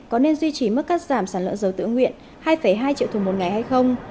có nên duy trì mức cắt giảm sản lượng dầu tự nguyện hai hai triệu thùng một ngày hay không